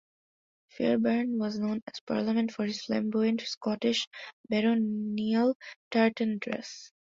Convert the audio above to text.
Fairbairn was known at Parliament for his flamboyant Scottish baronial tartan dress.